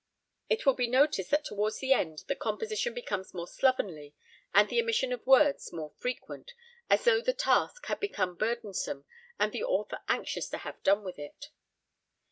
It will be noticed that towards the end the composition becomes more slovenly and the omission of words more frequent, as though the task had become burdensome and the author anxious to have done with it.